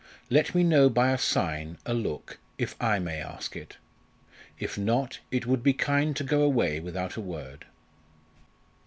Let me know by a sign, a look, if I may ask it. If not it would be kind to go away without a word."